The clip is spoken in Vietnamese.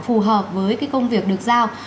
phù hợp với công việc được giao